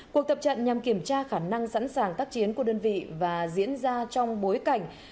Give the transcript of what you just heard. cuộc tập trận nhằm kiểm tra khả năng sẵn sàng tác chiến của đơn vị và diễn ra trong bối cảnh